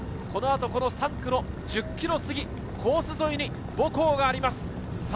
このあと３区の１０ｋｍ過ぎ、コース沿いに母校があります。